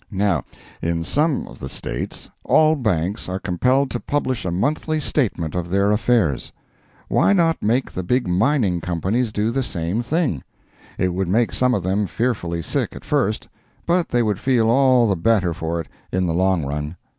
Now, in some of the States, all banks are compelled to publish a monthly statement of their affairs. Why not make the big mining companies do the same thing? It would make some of them fearfully sick at first, but they would feel all the better for it in the long run.